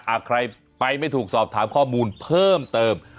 ใครไปไม่ถูกสอบถามข้อมูลเพิ่มเติม